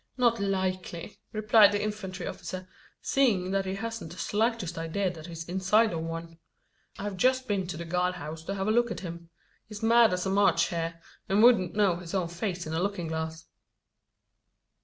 "Not likely," replied the infantry officer, "seeing that he hasn't the slightest idea that he's inside of one. I've just been to the guard house to have a look at him. He's mad as a March hare; and wouldn't know his own face in a looking glass."